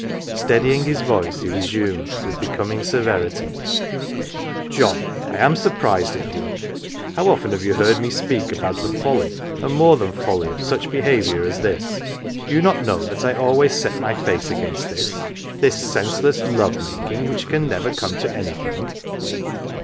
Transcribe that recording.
Steadying his voice, he resumed with becoming severity :" John, I am surprised at you ! How often have you heard me speak about the folly and more than folly of such 198 LITTLE PAUPERS behaviour as this ? Do you not know that I always set mv face against this this senseless love making which can never come to anything